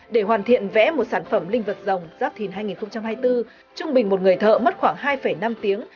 để hoàn thiện vẽ một sản phẩm linh vật dòng giáp thìn hai nghìn hai mươi bốn trung bình một người thợ mất khoảng hai năm tiếng